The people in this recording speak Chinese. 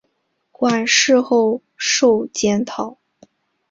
馆试后授检讨。